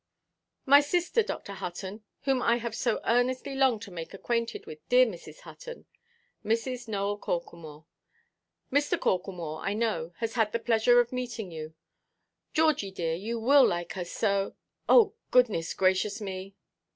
"My sister, Dr. Hutton, whom I have so earnestly longed to make acquainted with dear Mrs. Hutton, Mrs. Nowell Corklemore; Mr. Corklemore, I know, has had the pleasure of meeting you. Georgie, dear, you will like her so—oh, goodness gracious me!"